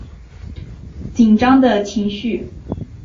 紧张的情绪